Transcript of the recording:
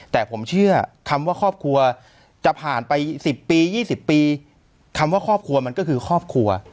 แต่ผมเชื่อคำว่าครอบครัวจะผ่านไป๑๐ปี๒๐ปีคำว่าครอบครัวมันก็คือครอบครัว